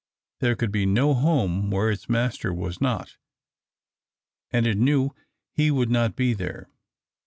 There could be no home where its master was not; and it knew he would not be there.